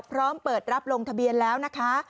พร้อมเปิดรับลงทะเบียนแล้วนะคะ